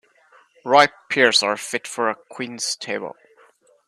Ripe pears are fit for a queen's table.